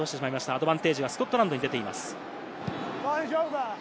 アドバンテージがスコットランドに出ています。